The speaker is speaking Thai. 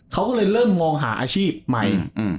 เขาก็เลยเริ่มมองหาอาชีพใหม่